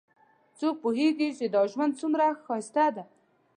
څوک پوهیږي چې دا ژوند څومره ښایسته ده